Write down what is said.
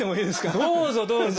どうぞどうぞ。